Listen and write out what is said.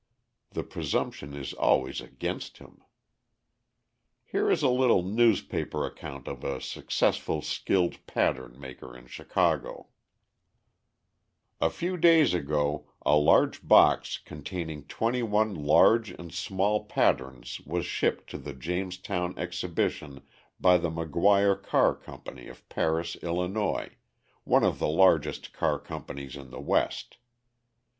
The presumption is always against him. Here is a little newspaper account of a successful skilled pattern maker in Chicago: A few days ago a large box containing twenty one large and small patterns was shipped to the Jamestown Exhibition by the McGuire Car Company of Paris, Illinois, one of the largest car companies in the West.